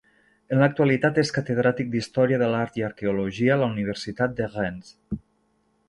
En l'actualitat és catedràtic d'Història de l'Art i Arqueologia a la Universitat de Rennes.